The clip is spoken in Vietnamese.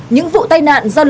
những vụ tai nạn